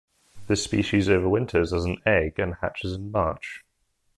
This species overwinters as an egg and hatches in March.